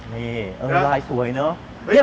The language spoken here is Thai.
นี่ลายสวยเนอะ